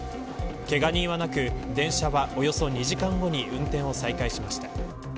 けが人はなく電車はおよそ２時間後に運転を再開しました。